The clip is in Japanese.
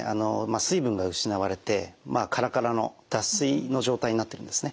水分が失われてカラカラの脱水の状態になってるんですね。